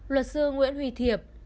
luật sư nguyễn huy thiệp